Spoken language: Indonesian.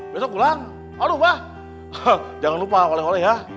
besok pulang aduh bah jangan lupa oleh oleh ya